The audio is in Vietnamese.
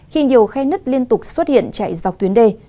khi nhiều khe nứt liên tục xuất hiện chạy dọc tuyến đê